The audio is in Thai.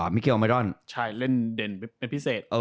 มิเกลอเมดอนใช่เล่นเด่นเป็นพิเศษ